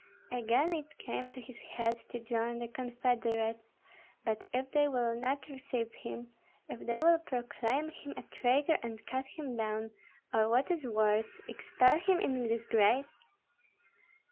Again it came to his head to join the confederates; but if they will not receive him, if they will proclaim him a traitor and cut him down, or what is worse, expel him in disgrace?